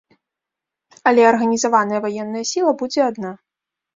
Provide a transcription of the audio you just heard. Але арганізаваная ваенная сіла будзе адна.